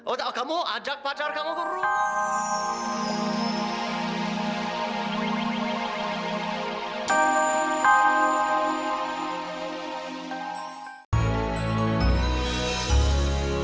otak kamu ajak pacar kamu ke rumah